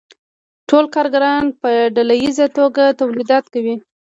ټول کارګران په ډله ییزه توګه تولیدات کوي